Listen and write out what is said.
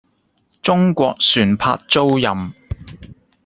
中國船舶租賃